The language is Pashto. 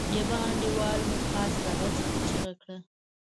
يوه انډيوال مو پاس له غره څخه چيغه کړه.